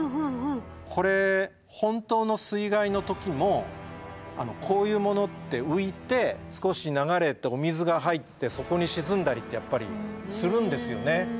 これ本当の水害の時もこういうものって浮いて少し流れてお水が入って底に沈んだりってやっぱりするんですよね。